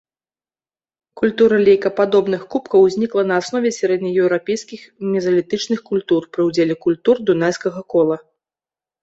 Культура лейкападобных кубкаў ўзнікла на аснове сярэднееўрапейскіх мезалітычных культур пры ўдзеле культур дунайскага кола.